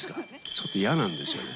ちょっと嫌なんですよ。